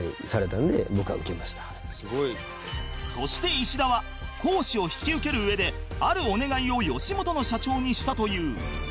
そして石田は講師を引き受ける上であるお願いを吉本の社長にしたという